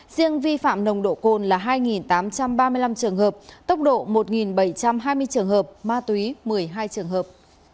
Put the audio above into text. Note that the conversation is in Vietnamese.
riêng vi phạm nồng độ cồn là hai tám trăm ba mươi năm trường hợp tốc độ một bảy trăm hai mươi trường hợp ma túy một mươi hai trường hợp